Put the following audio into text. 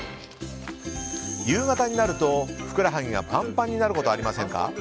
夕方になるとふくらはぎがパンパンになることありませんか？